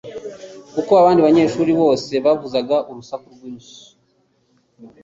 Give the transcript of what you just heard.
kuko abandi banyeshuri bose bavuzaga urusaku rwinshi